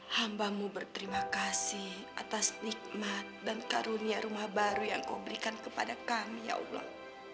hambamu berterima kasih atas nikmat dan karunia rumah baru yang kau berikan kepada kami ya allah